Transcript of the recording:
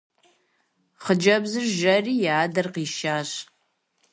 Хъыджэбзыр жэри и адэр къишащ.